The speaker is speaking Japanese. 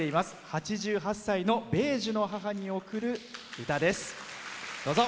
８８歳の米寿の母に贈る歌です。